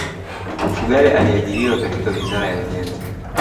Mfugale aliajiriwa katika wizara ya ujenzi